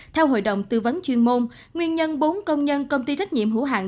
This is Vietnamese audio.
theo hội đồng tư vấn chuyên môn nguyên nhân bốn công nhân công ty trách nhiệm hữu hạng